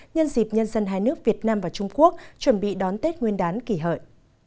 nhân dịp nhân dân hai nước việt nam và trung quốc chuẩn bị đón tết nguyên đán kỷ hợi